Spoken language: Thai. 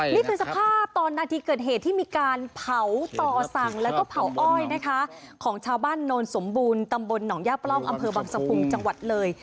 นี่คือสภาพตอนนาทีเกิดเหตุที่มีการเผาต่อสั่งแล้วก็เผาอ้อยนะคะของชาวบ้านโนนสมบูรณ์ตำบลหนองย่าปล้องอำเภอบังสะพุงจังหวัดเลย